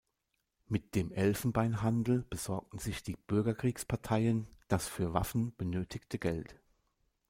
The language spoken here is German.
Mit dem Elfenbeinhandel besorgten sich die Bürgerkriegsparteien das für Waffen benötigte Geld.